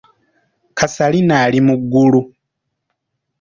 Kasalina ali mu ggulu.